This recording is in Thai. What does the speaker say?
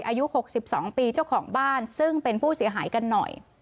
อายุ๖๒ปีเจ้าของบ้านซึ่งเป็นผู้เสียหายกันหน่อย